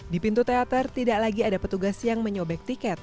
di pintu teater tidak lagi ada petugas yang menyobek tiket